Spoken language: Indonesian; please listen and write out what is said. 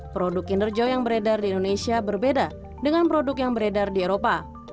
produk kinerja yang beredar di indonesia berbeda dengan produk yang beredar di eropa